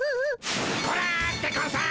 こらでゴンス！